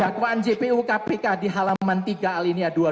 dakwaan jpu kpk di halaman tiga alinia dua ratus dua